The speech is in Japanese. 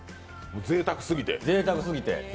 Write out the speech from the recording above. ぜいたくすぎて。